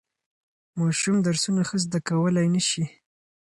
ماشوم درسونه ښه زده کولای نشي.